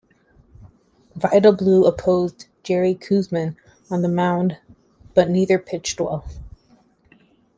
Vida Blue opposed Jerry Koosman on the mound, but neither pitched well.